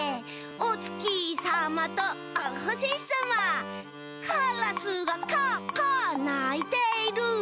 「おつきさまとおほしさま」「カラスがカアカアないている」